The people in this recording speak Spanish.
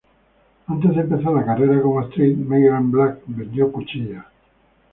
Antes de empezar la carrera como actriz, Meghan Black vendió cuchillos.